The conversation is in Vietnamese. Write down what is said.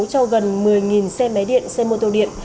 cho gần một mươi xe máy điện xe mô tô điện